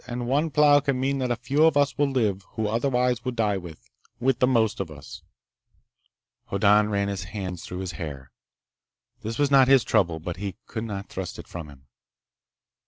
And one plow can mean that a few of us will live who otherwise would die with ... with the most of us." Hoddan ran his hands through his hair. This was not his trouble, but he could not thrust it from him.